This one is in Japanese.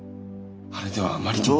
あれではあまりにも。